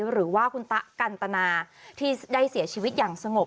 หรือว่าคุณตะกันตนาที่ได้เสียชีวิตอย่างสงบ